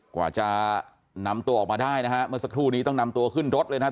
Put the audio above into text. กว่าจะนำตัวออกมาได้นะฮะเมื่อสักครู่นี้ต้องนำตัวขึ้นรถเลยนะครับ